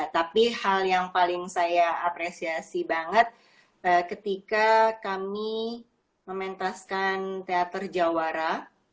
tapi hal yang paling saya apresiasi banget ketika kami mementaskan teater jawara